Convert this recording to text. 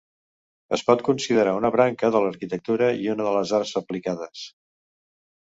Es pot considerar una branca de l'arquitectura i una de les arts aplicades.